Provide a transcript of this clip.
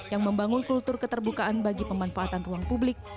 yang membangun kultur keterbukaan bagi pemanfaatan ruang publik